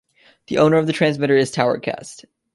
The owner of the transmitter is Towercast.